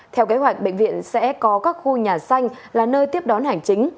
theo kế hoạch bệnh viện sẽ có các khu nhà xanh là nơi tiếp đón hành chính